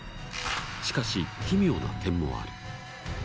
しかし奇妙な点もある。